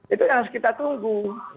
itu yang harus kita tunggu